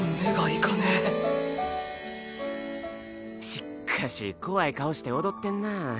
しっかし怖い顔して踊ってんなぁ。